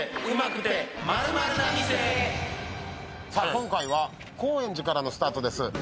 今回は高円寺からのスタートです。